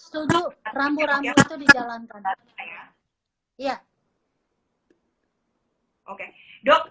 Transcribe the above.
tapi saya setuju rambu rambu itu dijalankan